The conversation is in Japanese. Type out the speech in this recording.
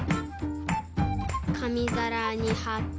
かみざらにはって。